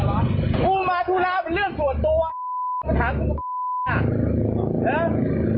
กูมาทุระเป็นเรื่องส่วนตัวมาถามอ่ะรึเป็นหรอ